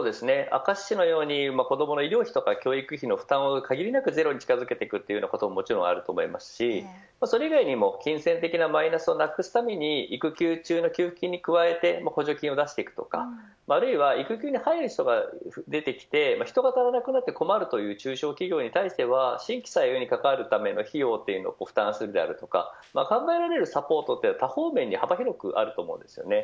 明石市のように子どもの医療費や教育費の負担を限りなくゼロに近づけていくこともあると思いますしそれ以外にも金銭的なマイナスをなくすために育休中の給付金に加えて補助金を出していくとか、あるいは育休に入る人が出てきて人が足りなくなって困るという中小企業に対しては新規採用にかかる費用を負担するであるとか考えられるサポートは多方面に幅広くあります。